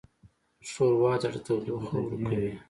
ښوروا د زړه تودوخه ورکوي.